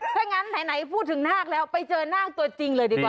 ถ้างั้นไหนพูดถึงนาคแล้วไปเจอนาคตัวจริงเลยดีกว่า